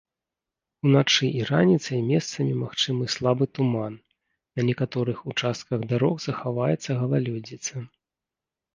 Уначы і раніцай месцамі магчымы слабы туман, на некаторых участках дарог захаваецца галалёдзіца.